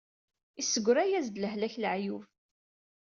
Issegra-yas-d lehlak leɛyub.